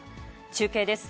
中継です。